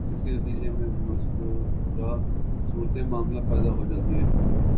جس کے نتیجے میں مذکورہ صورتِ معاملہ پیدا ہو جاتی ہے